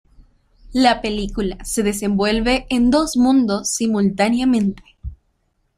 La película se desenvuelve en dos mundos simultáneamente.